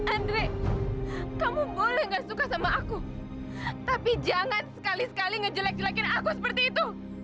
andre kamu boleh nggak suka sama aku tapi jangan sekali sekali ngejelek jelekin aku seperti itu